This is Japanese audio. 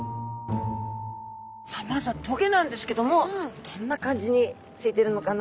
さあまずはトゲなんですけどもどんな感じについてるのかな？